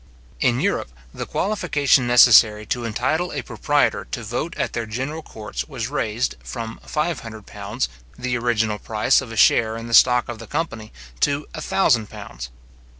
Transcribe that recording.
In Europe, the qualification necessary to entitle a proprietor to vote at their general courts was raised, from five hundred pounds, the original price of a share in the stock of the company, to a thousand pounds.